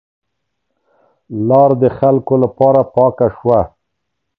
لار د خلکو لپاره پاکه شوه.